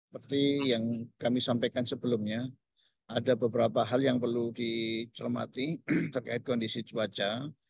seperti yang kami sampaikan sebelumnya ada beberapa hal yang perlu dicermati terkait kondisi cuaca